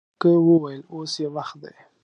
ميرويس نيکه وويل: اوس يې وخت دی!